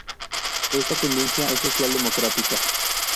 Esta tendencia es social-democrática.